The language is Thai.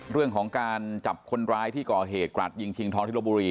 เรื่องของการจับคนร้ายที่ก่อเหตุกราดยิงชิงทองที่ลบบุรี